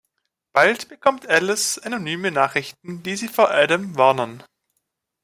Bald bekommt Alice anonyme Nachrichten, die sie vor Adam warnen.